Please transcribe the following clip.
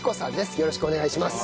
よろしくお願いします。